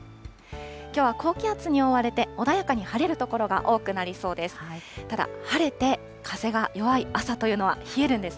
きょうは高気圧に覆われて、穏やかに晴れる所が多くなりそうです。